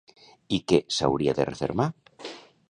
I què s'hauria de refermar?